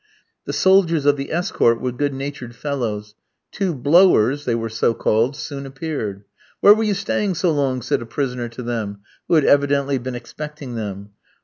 The soldiers of the escort were good natured fellows. Two "blowers" (they were so called) soon appeared. "Where were you staying so long?" said a prisoner to them, who had evidently been expecting them.